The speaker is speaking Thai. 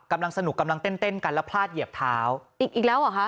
กำลังสนุกกำลังเต้นเต้นกันแล้วพลาดเหยียบเท้าอีกอีกแล้วเหรอคะ